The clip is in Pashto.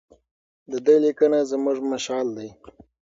د ده لیکنې زموږ مشعل دي.